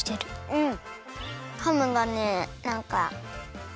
うん。